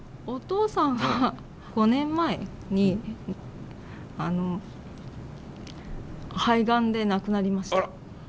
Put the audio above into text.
お父さんは５年前にあの肺がんで亡くなりました。